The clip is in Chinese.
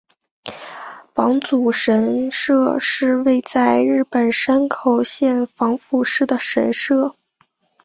玉祖神社是位在日本山口县防府市的神社。